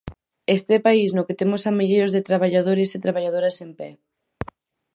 Este país no que temos a milleiros de traballadores e traballadoras en pé.